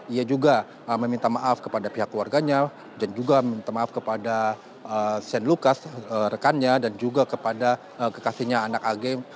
ia juga meminta maaf kepada pihak keluarganya dan juga meminta maaf kepada shane lucas rekannya dan juga kepada kekasihnya anak ag